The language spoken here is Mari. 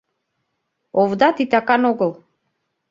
Овда титакан огыл.